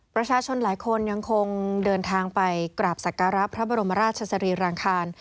ประชาชนหลายคนยังคงเดินทางไปกราบสักการะพระบรมราชสรีรางคาร